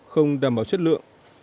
không đảm bảo chất lượng